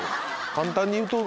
簡単にいうと。